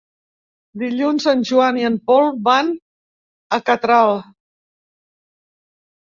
Dilluns en Joan i en Pol van a Catral.